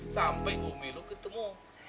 sampai umi lo ketemu